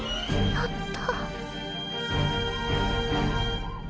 やった。